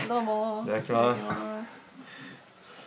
いただきます。